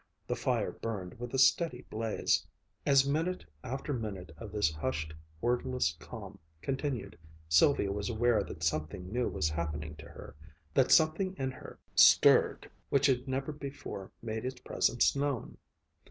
The fire burned with a steady blaze. As minute after minute of this hushed, wordless calm continued, Sylvia was aware that something new was happening to her, that something in her stirred which had never before made its presence known.